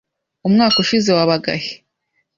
Umwaka ushize wabaga he?